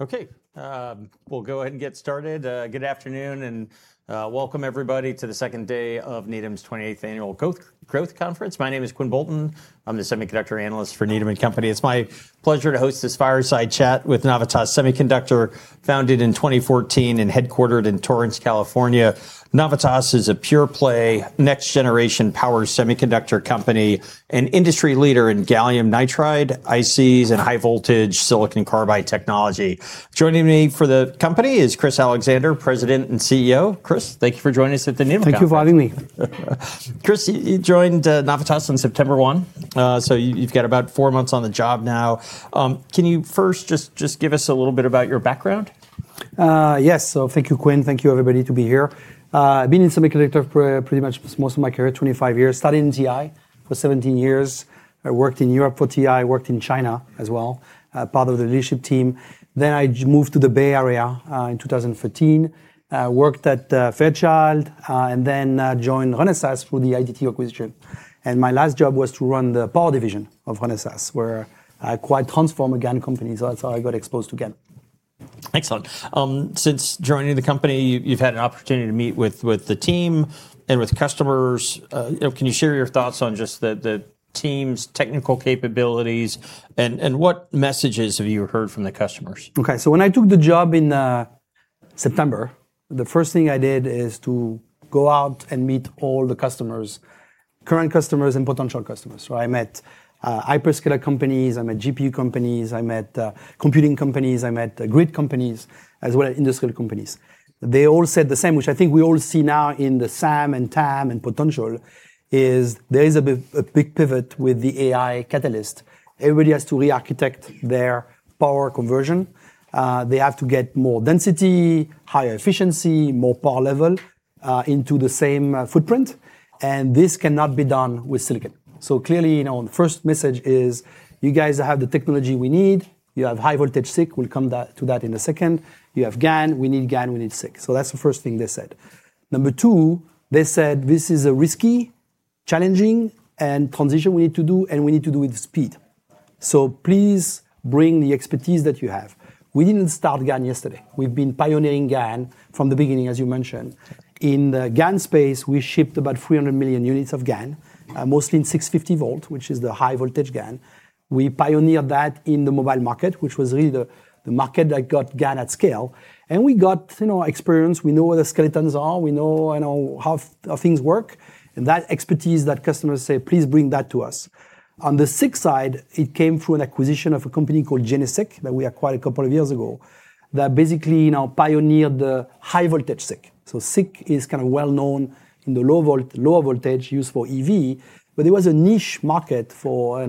Okay. Okay. We'll go ahead and get started. Good afternoon and welcome, everybody, to the second day of Needham's 28th Annual Growth Conference. My name is Quinn Bolton. I'm the semiconductor analyst for Needham & Company. It's my pleasure to host this fireside chat with Navitas Semiconductor, founded in 2014 and headquartered in Torrance, California. Navitas is a pure-play, next-generation power semiconductor company and industry leader in gallium nitride, ICs, and high-voltage silicon carbide technology. Joining me for the company is Chris Allexandre, President and CEO. Chris, thank you for joining us at the Needham Conference. Thank you for having me. Chris, you joined Navitas on September 1, so you've got about four months on the job now. Can you first just give us a little bit about your background? Yes. So thank you, Quinn. Thank you, everybody, to be here. I've been in semiconductor pretty much most of my career, 25 years. Started in TI for 17 years. I worked in Europe for TI. I worked in China as well, part of the leadership team. Then I moved to the Bay Area in 2013, worked at Fairchild, and then joined Renesas for the IDT acquisition. And my last job was to run the power division of Renesas, where I quite transformed a GaN company. So that's how I got exposed to GaN. Excellent. Since joining the company, you've had an opportunity to meet with the team and with customers. Can you share your thoughts on just the team's technical capabilities and what messages have you heard from the customers? Okay. So when I took the job in September, the first thing I did is to go out and meet all the customers, current customers and potential customers. So I met hyperscaler companies, I met GPU companies, I met computing companies, I met grid companies, as well as industrial companies. They all said the same, which I think we all see now in the SAM and TAM and potential is there is a big pivot with the AI catalyst. Everybody has to re-architect their power conversion. They have to get more density, higher efficiency, more power level into the same footprint. And this cannot be done with silicon. So clearly, the first message is, you guys have the technology we need. You have high-voltage SiC. We'll come to that in a second. You have GaN. We need GaN. We need SiC. So that's the first thing they said. Number two, they said, this is a risky, challenging transition we need to do, and we need to do it with speed. So please bring the expertise that you have. We didn't start GaN yesterday. We've been pioneering GaN from the beginning, as you mentioned. In the GaN space, we shipped about 300 million units of GaN, mostly in 650-volt, which is the high-voltage GaN. We pioneered that in the mobile market, which was really the market that got GaN at scale. And we got experience. We know where the skeletons are. We know how things work. And that expertise that customers say, please bring that to us. On the SiC side, it came through an acquisition of a company called GeneSiC that we acquired a couple of years ago that basically pioneered the high-voltage SiC. So SiC is kind of well known in the lower voltage used for EV, but there was a niche market for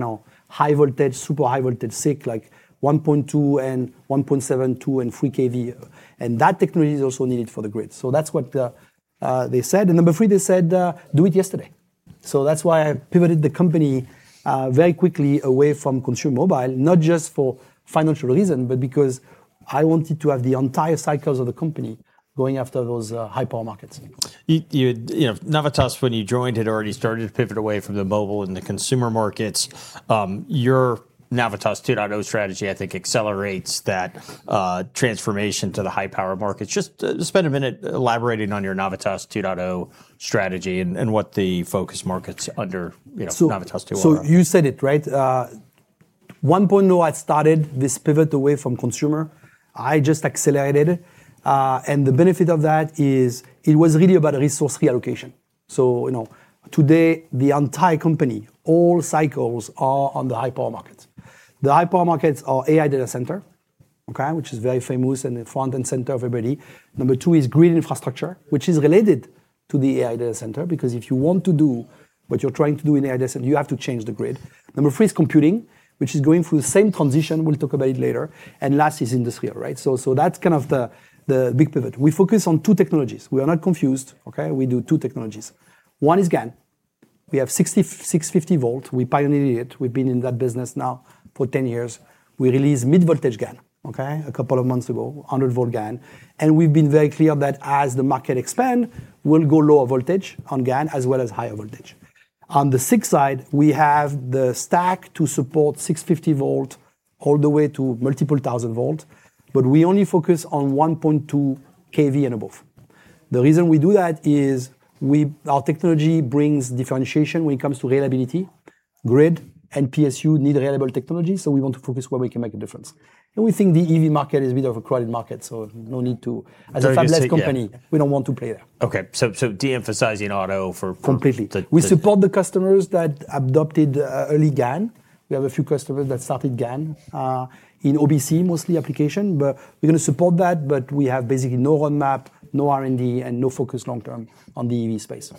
high-voltage, super high-voltage SiC like 1.2 and 1.7 and 3 kV. And that technology is also needed for the grid. So that's what they said. And number three, they said, do it yesterday. So that's why I pivoted the company very quickly away from consumer mobile, not just for financial reasons, but because I wanted to have the entire cycles of the company going after those high-power markets. Navitas, when you joined, had already started to pivot away from the mobile and the consumer markets. Your Navitas 2.0 strategy, I think, accelerates that transformation to the high-power markets. Just spend a minute elaborating on your Navitas 2.0 strategy and what the focus markets under Navitas 2.0 are. So you said it, right? 1.0 had started this pivot away from consumer. I just accelerated it. And the benefit of that is it was really about resource reallocation. So today, the entire company, all cycles are on the high-power markets. The high-power markets are AI data center, which is very famous and front and center of everybody. Number two is grid infrastructure, which is related to the AI data center, because if you want to do what you're trying to do in AI data center, you have to change the grid. Number three is computing, which is going through the same transition. We'll talk about it later. And last is industrial, right? So that's kind of the big pivot. We focus on two technologies. We are not confused. We do two technologies. One is GaN. We have 650 volt. We pioneered it. We've been in that business now for 10 years. We released mid-voltage GaN a couple of months ago, 100-volt GaN, and we've been very clear that as the market expands, we'll go lower voltage on GaN as well as higher voltage. On the SiC side, we have the stack to support 650-volt all the way to multiple-thousand volts, but we only focus on 1.2 kV and above. The reason we do that is our technology brings differentiation when it comes to reliability. Grid and PSU need reliable technology, so we want to focus where we can make a difference, and we think the EV market is a bit of a crowded market, so no need to. As a fabless company, we don't want to play there. Okay. So de-emphasizing auto for. Completely. We support the customers that adopted early GaN. We have a few customers that started GaN in OBC, mostly application, but we're going to support that, but we have basically no roadmap, no R&D, and no focus long term on the EV space.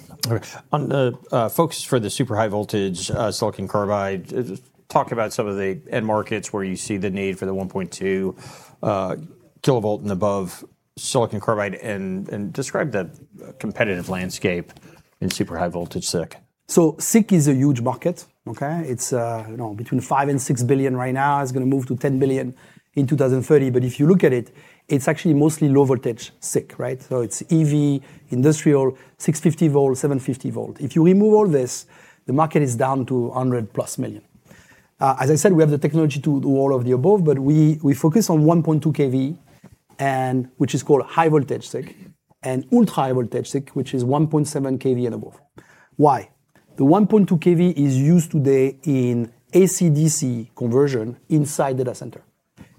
On the focus for the super high voltage silicon carbide, talk about some of the end markets where you see the need for the 1.2 kilovolt and above silicon carbide and describe the competitive landscape in super high voltage SiC. So SiC is a huge market. It's between $5-$6 billion right now. It's going to move to $10 billion in 2030. But if you look at it, it's actually mostly low voltage SiC, right? So it's EV, industrial, 650 volt, 750 volt. If you remove all this, the market is down to $100-plus million. As I said, we have the technology to do all of the above, but we focus on 1.2 kV, which is called high voltage SiC, and ultra high voltage SiC, which is 1.7 kV and above. Why? The 1.2 kV is used today in AC/DC conversion inside data center,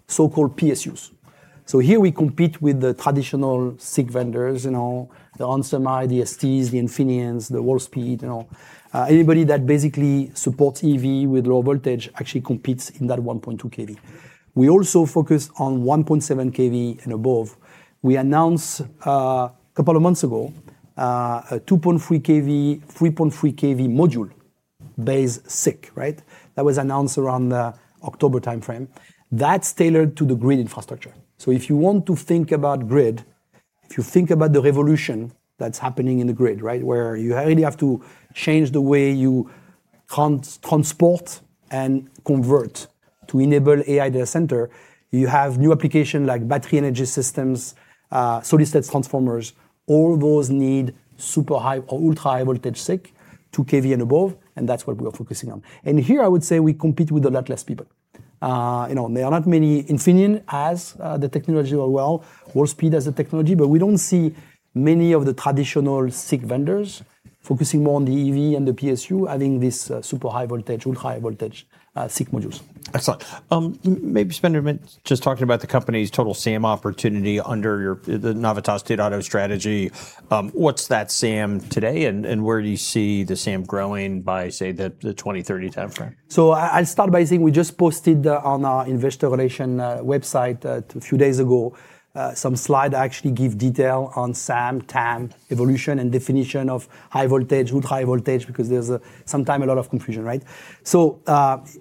so-called PSUs. So here we compete with the traditional SiC vendors, the onsemi, the STs, the Infineons, the Wolfspeed. Anybody that basically supports EV with low voltage actually competes in that 1.2 kV. We also focus on 1.7 kV and above. We announced a couple of months ago a 2.3 kV, 3.3 kV module-based SiC, right? That was announced around the October time frame. That's tailored to the grid infrastructure. So if you want to think about grid, if you think about the revolution that's happening in the grid, right, where you really have to change the way you transport and convert to enable AI data center, you have new applications like battery energy systems, solid-state transformers. All those need super high or ultra high voltage SiC, 2 kV and above, and that's what we are focusing on. And here, I would say we compete with a lot less people. There are not many Infineon as the technology or well Wolfspeed as the technology, but we don't see many of the traditional SiC vendors focusing more on the EV and the PSU, having these super high voltage, ultra high voltage SiC modules. Excellent. Maybe spend a minute just talking about the company's total SAM opportunity under the Navitas 2.0 strategy. What's that SAM today and where do you see the SAM growing by, say, the 2030 time frame? I'll start by saying we just posted on our investor relations website a few days ago some slides that actually give detail on SAM, TAM, evolution, and definition of high voltage, ultra high voltage, because there's sometimes a lot of confusion, right?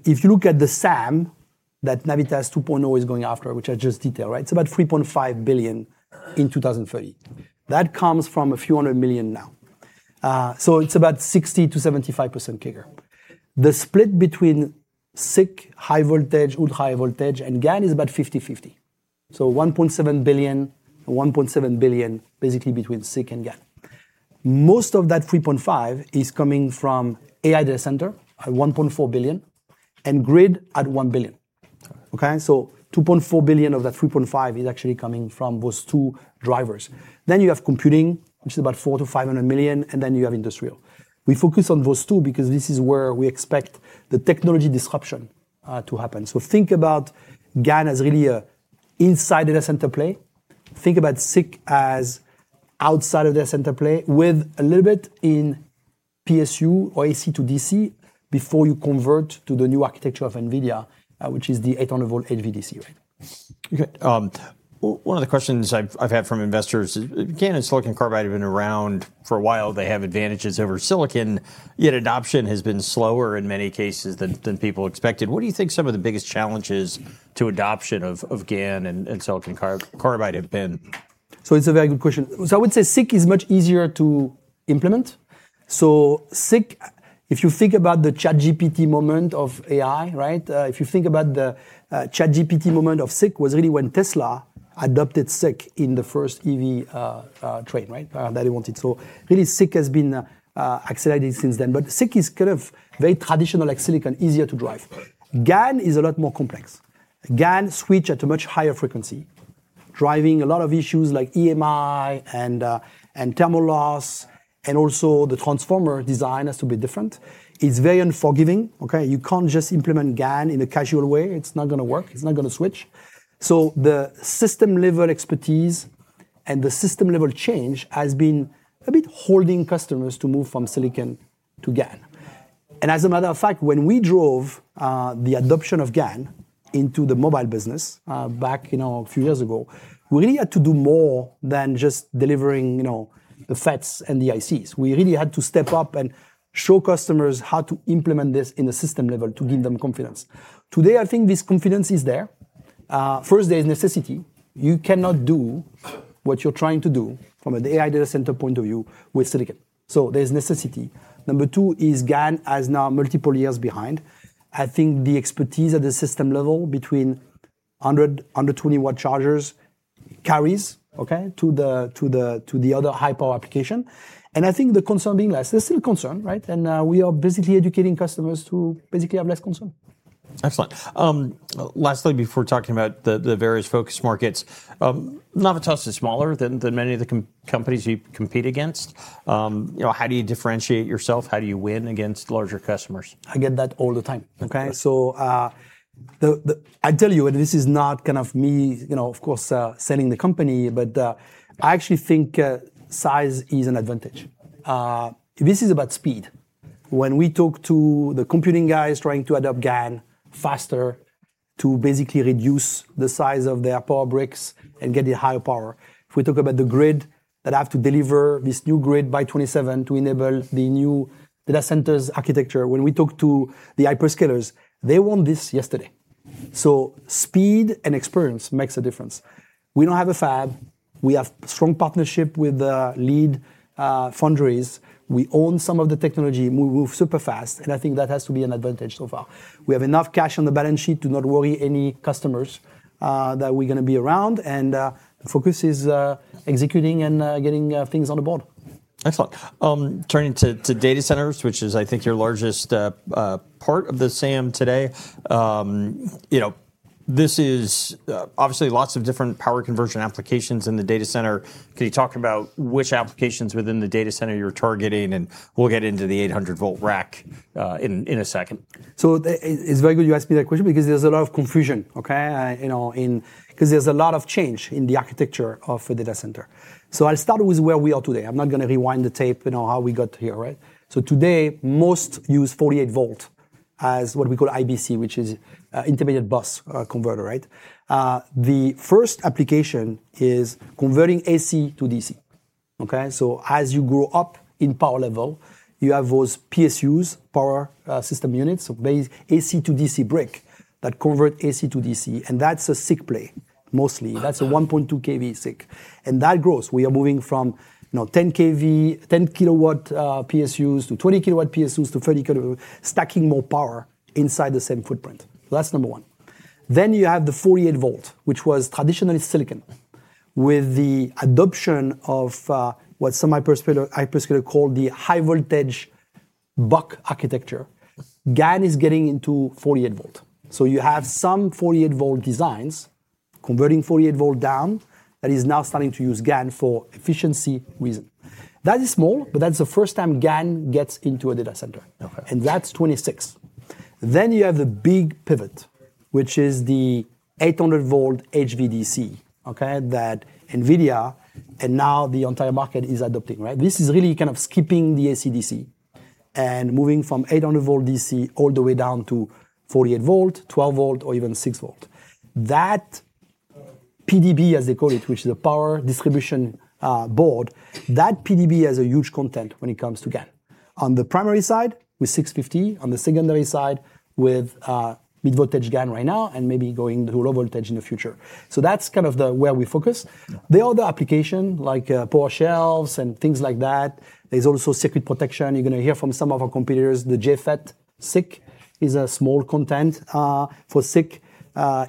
If you look at the SAM that Navitas 2.0 is going after, which has just detail, right, it's about $3.5 billion in 2030. That comes from a few hundred million now. It's about 60%-75% kicker. The split between SiC, high voltage, ultra high voltage, and GaN is about 50/50. So $1.7 billion, $1.7 billion, basically between SiC and GaN. Most of that $3.5 billion is coming from AI data center, $1.4 billion, and grid at $1 billion. So $2.4 billion of that $3.5 billion is actually coming from those two drivers. Then you have computing, which is about $4-$500 million, and then you have industrial. We focus on those two because this is where we expect the technology disruption to happen. So think about GaN as really an inside data center play. Think about SiC as outside of data center play with a little bit in PSU or AC-DC before you convert to the new architecture of NVIDIA, which is the 800-volt HVDC, right? Okay. One of the questions I've had from investors is GaN and silicon carbide have been around for a while. They have advantages over silicon, yet adoption has been slower in many cases than people expected. What do you think some of the biggest challenges to adoption of GaN and silicon carbide have been? It's a very good question. I would say SiC is much easier to implement. So SiC, if you think about the ChatGPT moment of AI, right, if you think about the ChatGPT moment of SiC was really when Tesla adopted SiC in the first EV train, right, that they wanted. So really, SiC has been accelerated since then. But SiC is kind of very traditional like silicon, easier to drive. GaN is a lot more complex. GaN switch at a much higher frequency, driving a lot of issues like EMI and thermal loss, and also the transformer design has to be different. It's very unforgiving. You can't just implement GaN in a casual way. It's not going to work. It's not going to switch. So the system-level expertise and the system-level change has been a bit holding customers to move from silicon to GaN. As a matter of fact, when we drove the adoption of GaN into the mobile business back a few years ago, we really had to do more than just delivering the FETs and the ICs. We really had to step up and show customers how to implement this in the system level to give them confidence. Today, I think this confidence is there. First, there is necessity. You cannot do what you're trying to do from an AI data center point of view with silicon. So there's necessity. Number two is GaN has now multiple years behind. I think the expertise at the system level between 100-120-watt chargers carries to the other high-power application. I think the concern being less, there's still concern, right? We are basically educating customers to basically have less concern. Excellent. Lastly, before talking about the various focus markets, Navitas is smaller than many of the companies you compete against. How do you differentiate yourself? How do you win against larger customers? I get that all the time. So I tell you, this is not kind of me, of course, selling the company, but I actually think size is an advantage. This is about speed. When we talk to the computing guys trying to adopt GaN faster to basically reduce the size of their power bricks and get it higher power. If we talk about the grid that I have to deliver this new grid by 2027 to enable the new data centers architecture, when we talk to the hyperscalers, they want this yesterday. So speed and experience makes a difference. We don't have a fab. We have a strong partnership with the lead foundries. We own some of the technology. We move super fast. And I think that has to be an advantage so far. We have enough cash on the balance sheet to not worry any customers that we're going to be around, and the focus is executing and getting things on the board. Excellent. Turning to data centers, which is, I think, your largest part of the SAM today. This is obviously lots of different power conversion applications in the data center. Can you talk about which applications within the data center you're targeting? And we'll get into the 800-volt rack in a second. It's very good you asked me that question because there's a lot of confusion because there's a lot of change in the architecture of a data center. I'll start with where we are today. I'm not going to rewind the tape and how we got here, right? Today, most use 48-volt as what we call IBC, which is intermediate bus converter, right? The first application is converting AC to DC. As you grow up in power level, you have those PSUs, power supply units, AC to DC brick that convert AC to DC. And that's a SiC play mostly. That's a 1.2 kV SiC. And that grows. We are moving from 10 kW, 10-kilowatt PSUs to 20-kilowatt PSUs to 30-kilowatt, stacking more power inside the same footprint. That's number one. Then you have the 48-volt, which was traditionally silicon. With the adoption of what some hyperscalers call the high voltage buck architecture, GaN is getting into 48 volt. So you have some 48 volt designs converting 48 volt down that is now starting to use GaN for efficiency reasons. That is small, but that's the first time GaN gets into a data center. And that's 26. Then you have the big pivot, which is the 800 volt HVDC that NVIDIA and now the entire market is adopting, right? This is really kind of skipping the AC-DC and moving from 800 volt DC all the way down to 48 volt, 12 volt, or even 6 volt. That PDB, as they call it, which is a power distribution board, that PDB has a huge content when it comes to GaN. On the primary side with 650, on the secondary side with mid-voltage GaN right now and maybe going to low voltage in the future. So that's kind of where we focus. The other application like power shelves and things like that, there's also circuit protection. You're going to hear from some of our competitors, the JFET SiC is a small content for SiC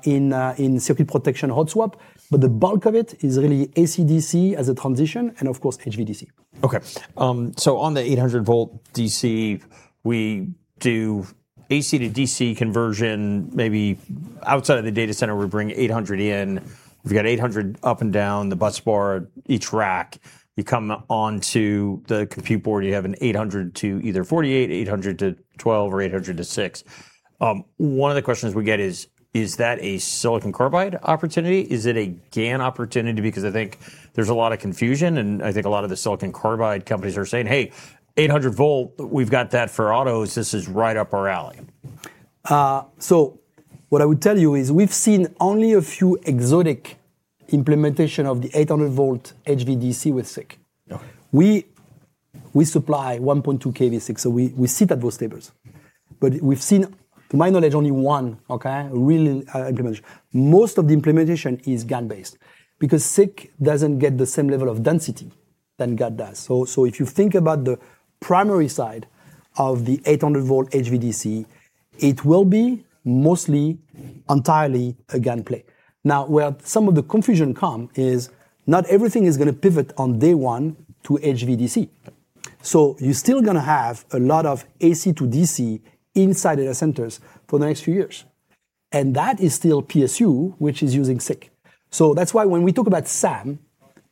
in circuit protection hot swap, but the bulk of it is really AC-DC as a transition and, of course, HVDC. Okay. So on the 800-volt DC, we do AC to DC conversion. Maybe outside of the data center, we bring 800 in. We've got 800 up and down the busbar, each rack. You come onto the compute board, you have an 800 to either 48, 800 to 12, or 800 to 6. One of the questions we get is, is that a silicon carbide opportunity? Is it a GaN opportunity? Because I think there's a lot of confusion and I think a lot of the silicon carbide companies are saying, hey, 800-volt, we've got that for autos. This is right up our alley. So what I would tell you is we've seen only a few exotic implementations of the 800-volt HVDC with SiC. We supply 1.2 kV SiC, so we sit at those tables. But we've seen, to my knowledge, only one real implementation. Most of the implementation is GaN-based because SiC doesn't get the same level of density than GaN does. So if you think about the primary side of the 800-volt HVDC, it will be mostly entirely a GaN play. Now, where some of the confusion comes is not everything is going to pivot on day one to HVDC. So you're still going to have a lot of AC to DC inside data centers for the next few years. And that is still PSU, which is using SiC. That's why when we talk about SAM,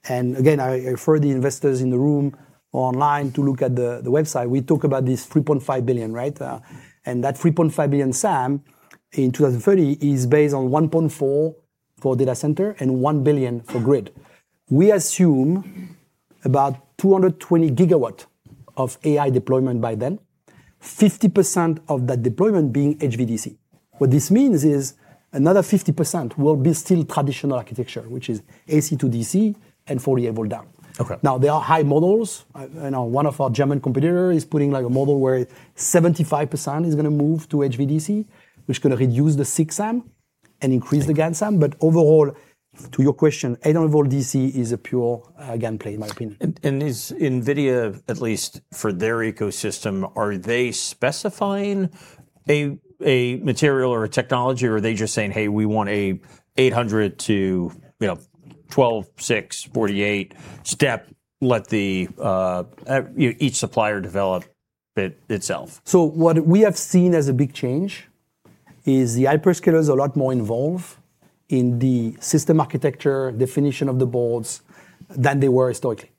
and again, I refer the investors in the room or online to look at the website, we talk about this $3.5 billion, right? And that $3.5 billion SAM in 2030 is based on $1.4 billion for data center and $1 billion for grid. We assume about 220 gigawatts of AI deployment by then, 50% of that deployment being HVDC. What this means is another 50% will be still traditional architecture, which is AC to DC and 48 volt down. Now, there are high models. One of our German competitors is putting a model where 75% is going to move to HVDC, which is going to reduce the SiC SAM and increase the GaN SAM. But overall, to your question, 800-volt DC is a pure GaN play, in my opinion. NVIDIA, at least for their ecosystem, are they specifying a material or a technology, or are they just saying, hey, we want an 800 to 12, 6, 48 step, let each supplier develop itself? So what we have seen as a big change is the hyperscalers are a lot more involved in the system architecture definition of the boards than they were historically.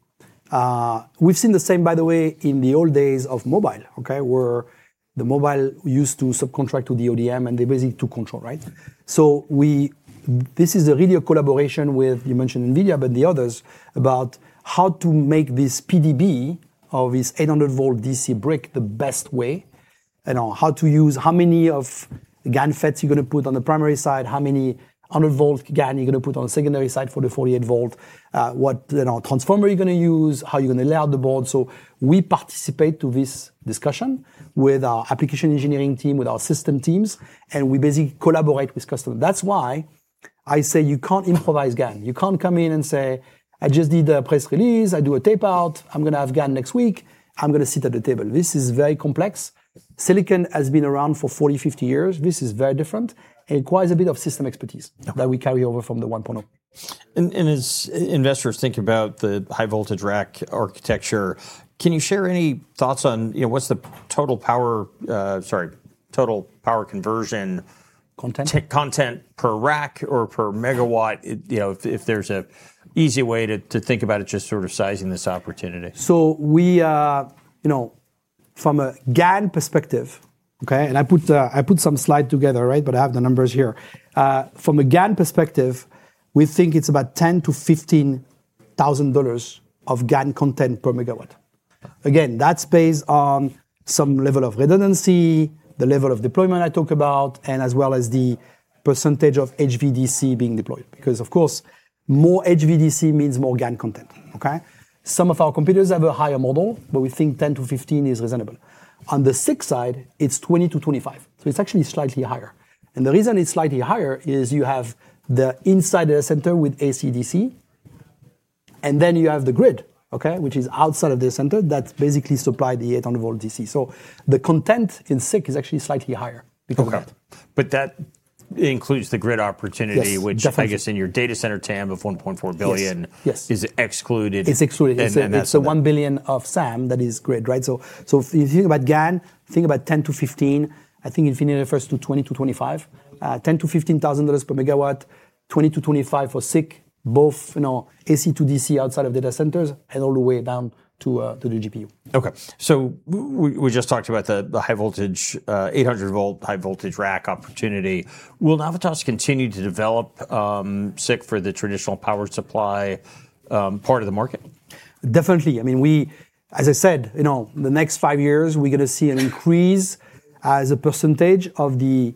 We've seen the same, by the way, in the old days of mobile, where the mobile used to subcontract to the ODM and they basically took control, right? So this is really a collaboration with, you mentioned NVIDIA, but the others about how to make this PDB of this 800-volt DC brick the best way, how to use how many of the GaN FETs you're going to put on the primary side, how many 100-volt GaN you're going to put on the secondary side for the 48-volt, what transformer you're going to use, how you're going to lay out the board. We participate in this discussion with our application engineering team, with our system teams, and we basically collaborate with customers. That's why I say you can't improvise GaN. You can't come in and say, I just did a press release. I do a tape-out. I'm going to have GaN next week. I'm going to sit at the table. This is very complex. Silicon has been around for 40, 50 years. This is very different. It requires a bit of system expertise that we carry over from the 1.0. As investors think about the high voltage rack architecture, can you share any thoughts on what's the total power, sorry, total power conversion content per rack or per megawatt, if there's an easy way to think about it, just sort of sizing this opportunity? So from a GaN perspective, and I put some slides together, right, but I have the numbers here. From a GaN perspective, we think it's about $10,000-$15,000 of GaN content per megawatt. Again, that's based on some level of redundancy, the level of deployment I talk about, and as well as the percentage of HVDC being deployed. Because, of course, more HVDC means more GaN content. Some of our competitors have a higher model, but we think 10 to 15 is reasonable. On the SiC side, it's 20 to 25. So it's actually slightly higher. And the reason it's slightly higher is you have the inside data center with AC-DC, and then you have the grid, which is outside of the center that basically supplies the 800-volt DC. So the content in SiC is actually slightly higher because of that. But that includes the grid opportunity, which I guess in your data center TAM of $1.4 billion is excluded. It's excluded. It's the $1 billion of SAM that is grid, right? So if you think about GaN, think about 10 to 15. I think NVIDIA refers to $20,000-$25,000. $10,000-$15,000 per megawatt, $20,000-$25,000 for SiC, both AC to DC outside of data centers and all the way down to the GPU. Okay. So we just talked about the high voltage, 800-volt, high voltage rack opportunity. Will Navitas continue to develop SiC for the traditional power supply part of the market? Definitely. I mean, as I said, the next five years, we're going to see an increase as a percentage of the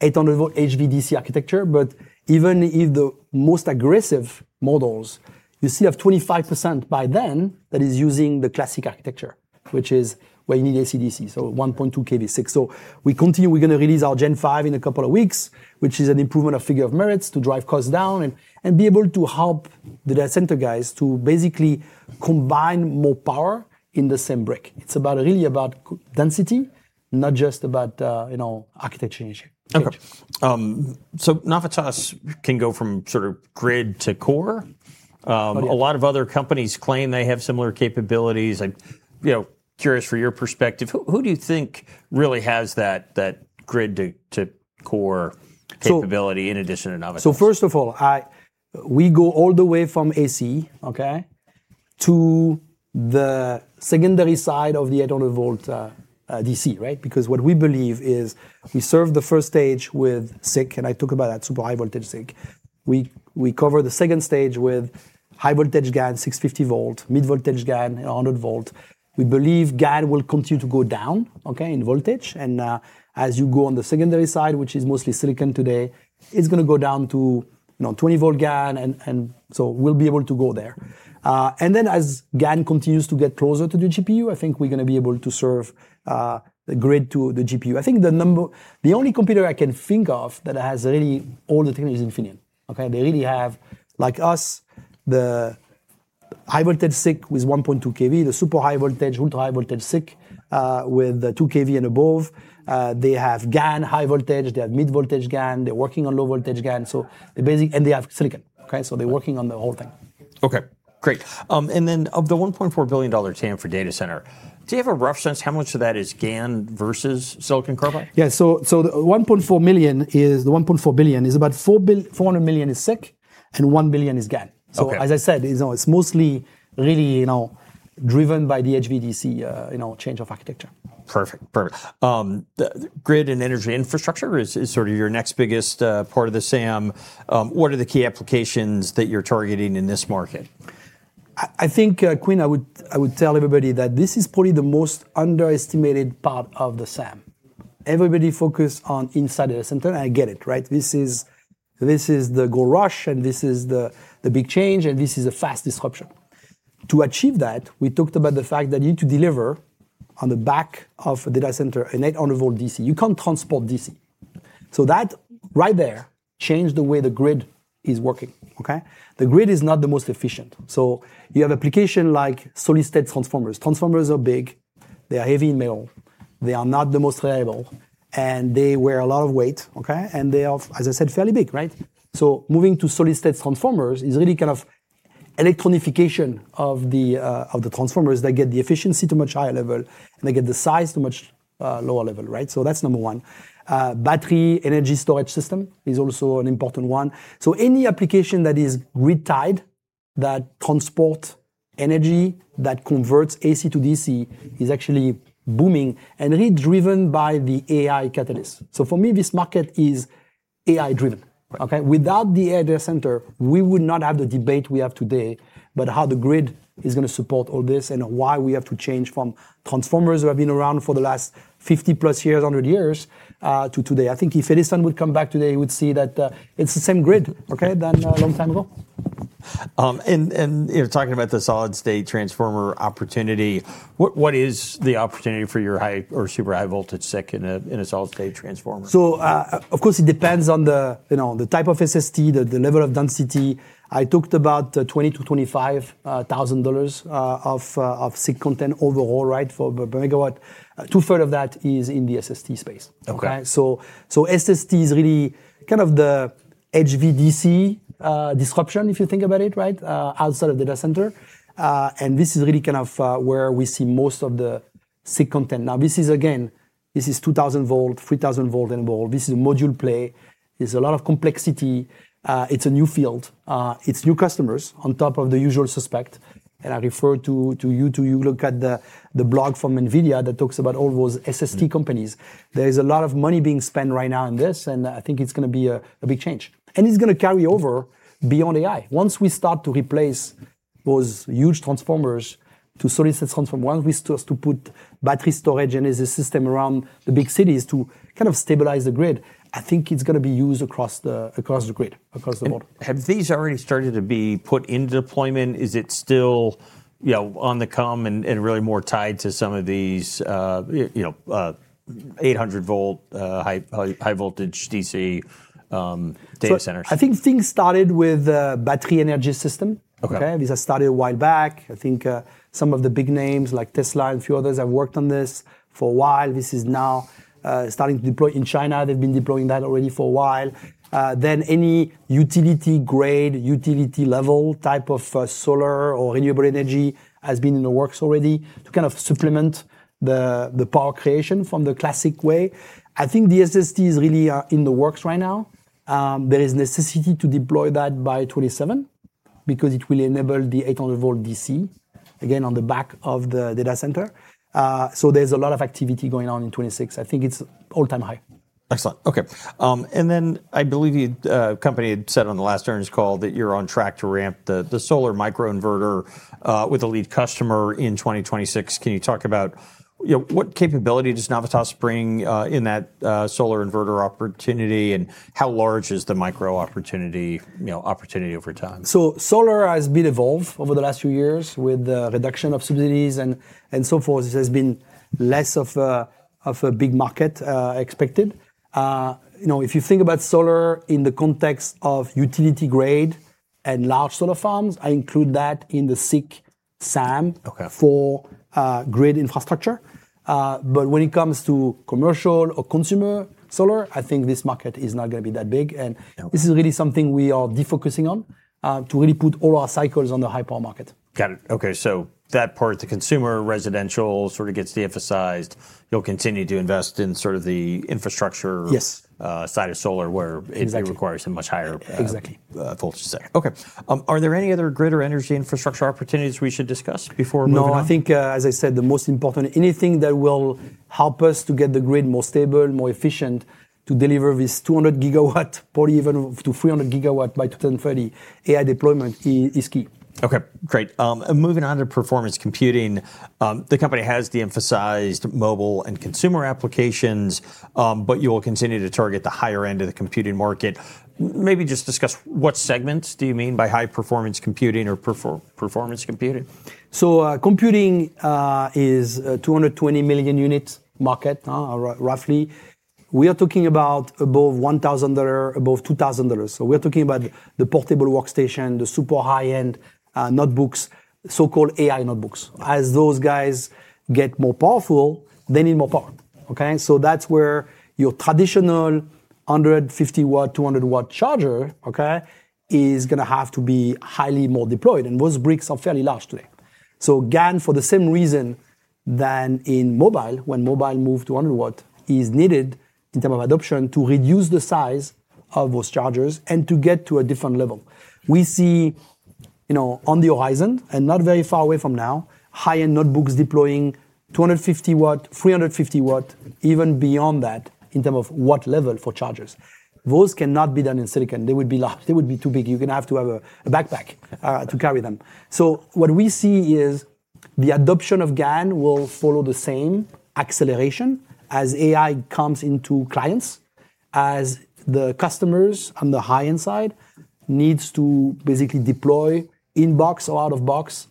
800-volt HVDC architecture. But even if the most aggressive models you see have 25% by then, that is using the classic architecture, which is where you need AC-DC, so 1.2 kV SiC. So we continue, we're going to release our Gen 5 in a couple of weeks, which is an improvement of figure of merits to drive costs down and be able to help the data center guys to basically combine more power in the same brick. It's really about density, not just about architecture initially. Okay. So Navitas can go from sort of grid to core. A lot of other companies claim they have similar capabilities. I'm curious for your perspective, who do you think really has that grid to core capability in addition to Navitas? So first of all, we go all the way from AC to the secondary side of the 800-volt DC, right? Because what we believe is we serve the first stage with SiC, and I talk about that super high voltage SiC. We cover the second stage with high voltage GaN, 650-volt, mid-voltage GaN, 100-volt. We believe GaN will continue to go down in voltage. And as you go on the secondary side, which is mostly silicon today, it's going to go down to 20-volt GaN. And so we'll be able to go there. And then as GaN continues to get closer to the GPU, I think we're going to be able to serve the grid to the GPU. I think the only competitor I can think of that has really all the technology is Infineon. They really have, like us, the high voltage SiC with 1.2 kV, the super high voltage, ultra high voltage SiC with 2 kV and above. They have GaN high voltage. They have mid-voltage GaN. They're working on low voltage GaN. And they have silicon. So they're working on the whole thing. Okay. Great. And then of the $1.4 billion TAM for data center, do you have a rough sense how much of that is GaN versus silicon carbide? Yeah. The $1.4 billion is about $400 million SiC and $1 billion GaN. As I said, it's mostly really driven by the HVDC change of architecture. Perfect. Perfect. Grid and energy infrastructure is sort of your next biggest part of the SAM. What are the key applications that you're targeting in this market? I think, Quinn, I would tell everybody that this is probably the most underestimated part of the SAM. Everybody focused on inside the data center, and I get it, right? This is the edge and this is the big change and this is a fast disruption. To achieve that, we talked about the fact that you need to deliver on the back of a data center an 800 volt DC. You can't transport DC. So that right there changed the way the grid is working. The grid is not the most efficient. So you have applications like solid-state transformers. Transformers are big. They are heavy in metal. They are not the most reliable. And they weigh a lot of weight. And they are, as I said, fairly big, right? So moving to solid-state transformers is really kind of electronification of the transformers. They get the efficiency to a much higher level and they get the size to a much lower level, right? So that's number one. Battery energy storage system is also an important one. So any application that is grid-tied, that transports energy, that converts AC to DC is actually booming and really driven by the AI catalyst. So for me, this market is AI-driven. Without the AI data center, we would not have the debate we have today about how the grid is going to support all this and why we have to change from transformers that have been around for the last 50 plus years, 100 years to today. I think if Edison would come back today, he would see that it's the same grid as a long time ago. You're talking about the solid-state transformer opportunity. What is the opportunity for your high- or super-high-voltage SiC in a solid-state transformer? So of course, it depends on the type of SST, the level of density. I talked about $20,000-$25,000 of SiC content overall, right, per megawatt. Two-thirds of that is in the SST space. So SST is really kind of the HVDC disruption, if you think about it, right, outside of data center. And this is really kind of where we see most of the SiC content. Now, this is, again, this is 2,000-volt, 3,000-volt and above. This is a module play. There's a lot of complexity. It's a new field. It's new customers on top of the usual suspect. And I refer to you to look at the blog from NVIDIA that talks about all those SST companies. There is a lot of money being spent right now in this, and I think it's going to be a big change. And it's going to carry over beyond AI. Once we start to replace those huge transformers to solid-state transformers, once we start to put battery storage and as a system around the big cities to kind of stabilize the grid, I think it's going to be used across the grid, across the board. Have these already started to be put into deployment? Is it still on the come and really more tied to some of these 800-volt high-voltage DC data centers? I think things started with battery energy system. This has started a while back. I think some of the big names like Tesla and a few others have worked on this for a while. This is now starting to deploy in China. They've been deploying that already for a while. Then any utility grade, utility level type of solar or renewable energy has been in the works already to kind of supplement the power creation from the classic way. I think the SST is really in the works right now. There is necessity to deploy that by 2027 because it will enable the 800-volt DC, again, on the back of the data center. So there's a lot of activity going on in 2026. I think it's all-time high. Excellent. Okay. And then I believe your company had said on the last earnings call that you're on track to ramp the solar microinverter with a lead customer in 2026. Can you talk about what capability does Navitas bring in that solar inverter opportunity and how large is the micro opportunity over time? So solar has been evolved over the last few years with the reduction of subsidies and so forth. It has been less of a big market expected. If you think about solar in the context of utility grade and large solar farms, I include that in the SiC SAM for grid infrastructure. But when it comes to commercial or consumer solar, I think this market is not going to be that big. And this is really something we are defocusing on to really put all our cycles on the high power market. Got it. Okay. So that part, the consumer residential sort of gets de-emphasized. You'll continue to invest in sort of the infrastructure side of solar where it requires a much higher voltage sector. Exactly. Okay. Are there any other grid or energy infrastructure opportunities we should discuss before moving on? I think, as I said, the most important anything that will help us to get the grid more stable, more efficient to deliver this 200 gigawatt, probably even to 300 gigawatt by 2030. AI deployment is key. Okay. Great. Moving on to performance computing, the company has de-emphasized mobile and consumer applications, but you will continue to target the higher end of the computing market. Maybe just discuss what segments do you mean by high performance computing or performance computing? So computing is a $220 million unit market, roughly. We are talking about above $1,000, above $2,000. So we're talking about the portable workstation, the super high-end notebooks, so-called AI notebooks. As those guys get more powerful, they need more power. So that's where your traditional 150 watt, 200 watt charger is going to have to be highly more deployed. And those bricks are fairly large today. So GaN, for the same reason than in mobile, when mobile moved to 100 watt, is needed in terms of adoption to reduce the size of those chargers and to get to a different level. We see on the horizon and not very far away from now, high-end notebooks deploying 250 watt, 350 watt, even beyond that in terms of watt level for chargers. Those cannot be done in silicon. They would be large. They would be too big. You're going to have to have a backpack to carry them. So what we see is the adoption of GaN will follow the same acceleration as AI comes into clients, as the customers on the high-end side need to basically deploy inbox or out of box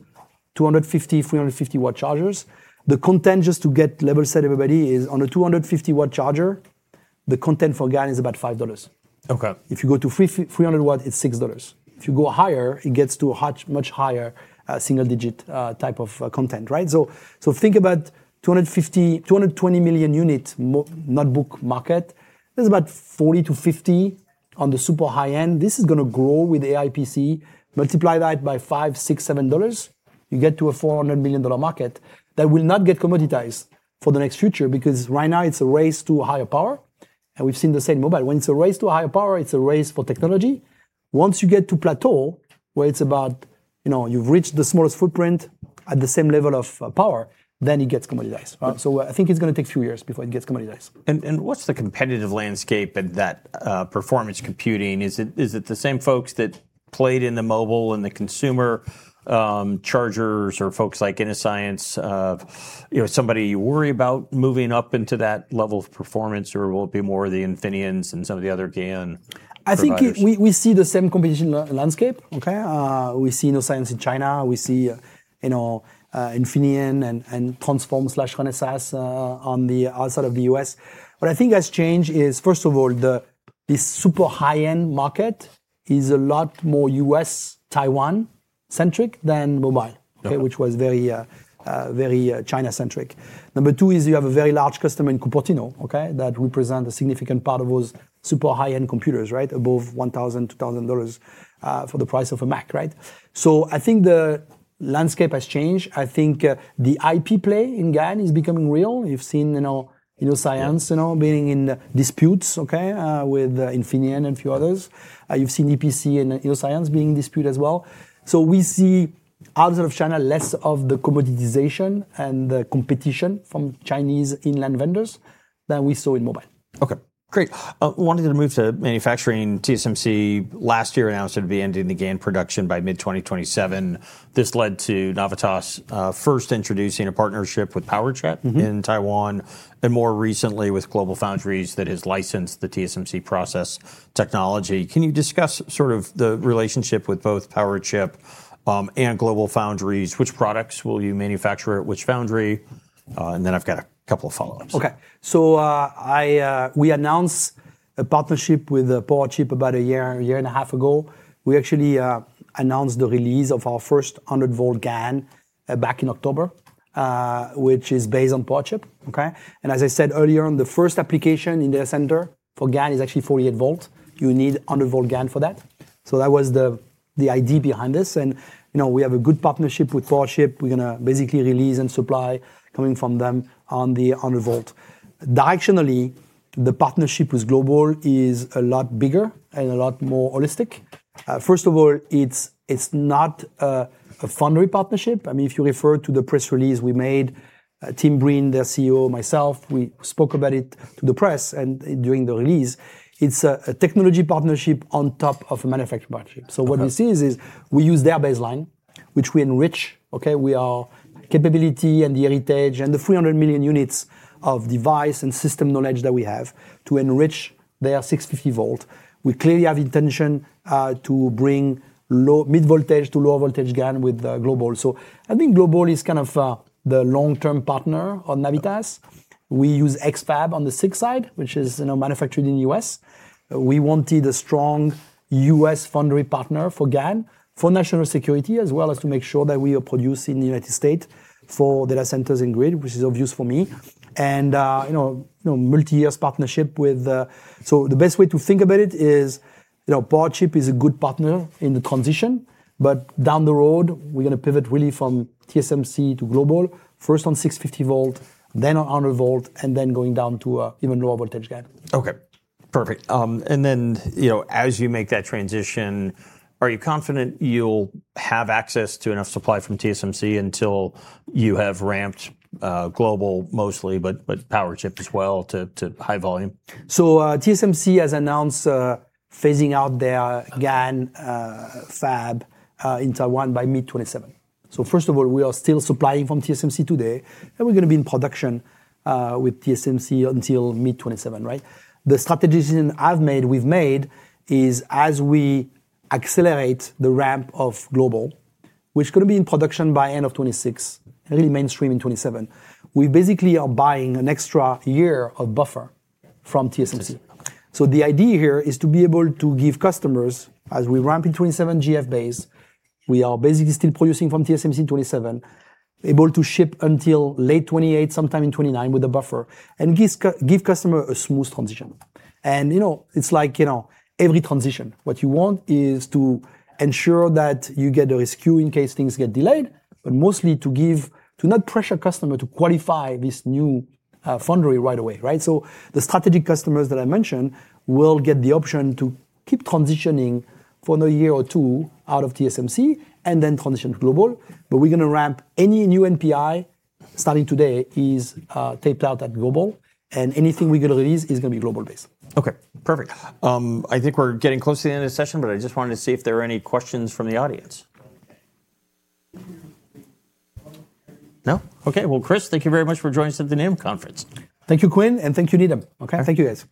250, 350 watt chargers. The content just to get level set everybody is on a 250 watt charger, the content for GaN is about $5. If you go to 300 watt, it's $6. If you go higher, it gets to a much higher single digit type of content, right? So think about 220 million unit notebook market. There's about 40 to 50 on the super high-end. This is going to grow with AI PC. Multiply that by $5, $6, $7. You get to a $400 million market that will not get commoditized for the next future because right now it's a race to a higher power, and we've seen the same mobile. When it's a race to a higher power, it's a race for technology. Once you get to plateau where it's about you've reached the smallest footprint at the same level of power, then it gets commoditized, so I think it's going to take a few years before it gets commoditized. What's the competitive landscape at that performance computing? Is it the same folks that played in the mobile and the consumer chargers or folks like Innoscience? Somebody you worry about moving up into that level of performance or will it be more of the Infineons and some of the other GaN? I think we see the same competition landscape. We see Innoscience in China. We see Infineon and Transphorm/Renesas on the outside of the U.S. What I think has changed is, first of all, this super high-end market is a lot more U.S., Taiwan-centric than mobile, which was very China-centric. Number two is you have a very large customer in Cupertino that represents a significant part of those super high-end computers, right, above $1,000, $2,000 for the price of a Mac, right? So I think the landscape has changed. I think the IP play in GaN is becoming real. You've seen InnoScience being in disputes with Infineon and a few others. You've seen EPC and InnoScience being in dispute as well. So we see outside of China, less of the commoditization and the competition from Chinese inland vendors than we saw in mobile. Okay. Great. Wanted to move to manufacturing. TSMC last year announced it would be ending the GaN production by mid-2027. This led to Navitas first introducing a partnership with Powerchip in Taiwan and more recently with GlobalFoundries that has licensed the TSMC process technology. Can you discuss sort of the relationship with both Powerchip and GlobalFoundries? Which products will you manufacture at which foundry? And then I've got a couple of follow-ups. Okay. So we announced a partnership with Powerchip about a year, year and a half ago. We actually announced the release of our first 100-volt GaN back in October, which is based on Powerchip. And as I said earlier, the first application in data center for GaN is actually 48-volt. You need 100-volt GaN for that. So that was the idea behind this. And we have a good partnership with Powerchip. We're going to basically release and supply coming from them on the 100-volt. Directionally, the partnership with Global is a lot bigger and a lot more holistic. First of all, it's not a foundry partnership. I mean, if you refer to the press release we made, Tim Breen, their CEO, myself, we spoke about it to the press and during the release. It's a technology partnership on top of a manufacturing partnership. What we see is we use their baseline, which we enrich. We add capability and the heritage and the 300 million units of device and system knowledge that we have to enrich their 650-volt. We clearly have intention to bring mid-voltage to low-voltage GaN with Global. I think Global is kind of the long-term partner on Navitas. We use X-FAB on the SiC side, which is manufactured in the U.S. We wanted a strong U.S. foundry partner for GaN for national security as well as to make sure that we are producing in the United States for data centers and grid, which is obvious for me. Multi-year partnership with, so the best way to think about it is Powerchip is a good partner in the transition, but down the road, we're going to pivot really from TSMC to Global, first on 650-volt, then on 100-volt, and then going down to even lower voltage GaN. Okay. Perfect. And then as you make that transition, are you confident you'll have access to enough supply from TSMC until you have ramped GlobalFoundries mostly, but Powerchip as well to high volume? TSMC has announced phasing out their GaN fab in Taiwan by mid-2027. First of all, we are still supplying from TSMC today. We're going to be in production with TSMC until mid-2027, right? The strategies I've made, we've made is as we accelerate the ramp of GlobalFoundries, which is going to be in production by end of 2026, really mainstream in 2027. We basically are buying an extra year of buffer from TSMC. The idea here is to be able to give customers, as we ramp into 2027 GF base, we are basically still producing from TSMC in 2027, able to ship until late 2028, sometime in 2029 with a buffer and give customers a smooth transition. And it's like every transition, what you want is to ensure that you get the rescue in case things get delayed, but mostly to not pressure customers to qualify this new foundry right away, right? So the strategic customers that I mentioned will get the option to keep transitioning for another year or two out of TSMC and then transition to Global. But we're going to ramp any new NPI starting today, is taped out at Global. And anything we're going to release is going to be Global-based. Okay. Perfect. I think we're getting close to the end of the session, but I just wanted to see if there are any questions from the audience. No? Okay. Well, Chris, thank you very much for joining us at the Needham Conference. Thank you, Quinn, and thank you, Needham. Thank you, guys.